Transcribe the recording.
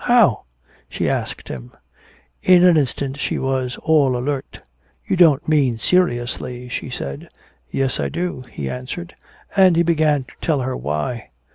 How?" she asked him. In an instant she was all alert. "You don't mean seriously?" she said. "Yes, I do," he answered, and he began to tell her why.